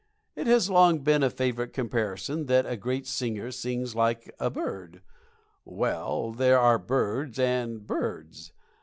It has long been a favorite comparison that a great singer sings like a bird. Well, there are birds and birds.